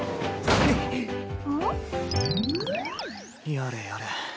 やれやれ。